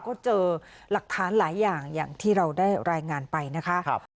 ก็เจอหลักฐานหลายอย่างอย่างที่เราได้รายงานไปนะคะ